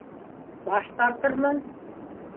Баш тартырмын!